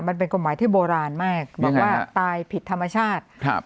มันเป็นกฎหมายที่โบราณมากบอกว่าตายผิดธรรมชาติครับ